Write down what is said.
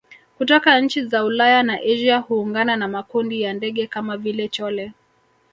kutoka nchi za Ulaya na Asia huungana na makundi ya ndege kama vile chole